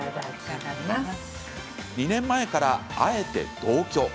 ２年前から、あえて同居。